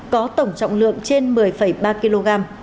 có tổng trọng lượng trên một mươi ba kg